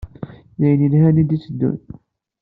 D ayen yelhan i d-iteddun.